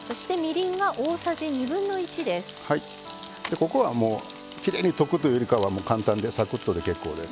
ここはもうきれいに溶くというよりかは簡単でサクッとで結構です。